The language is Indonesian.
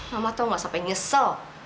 mama tuh gak sampai nyesel